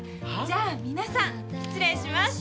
じゃあ皆さん失礼します